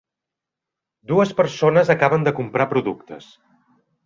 Dues persones acaben de comprar productes.